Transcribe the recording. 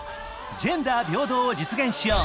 「ジェンダー平等を実現しよう」